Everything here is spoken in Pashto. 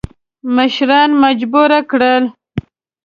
مشران مجبور کړل.